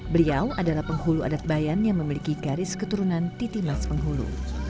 beliau adalah penghulu adat bayan yang memiliki garis keturunan titimas penghulu